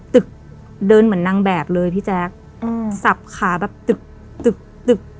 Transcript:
เดินเหมือนนางแบบเลยพี่แจ๊คอืมสับขาแบบตึกตึกตึก